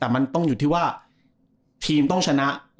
แต่มันต้องอยู่ที่ว่าทีมต้องชนะ